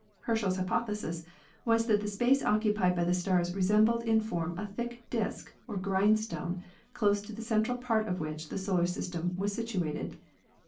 Herschel's hypothesis was that the space occupied by the stars resembled in form a thick disk or "grindstone," close to the central part of which the solar system was situated.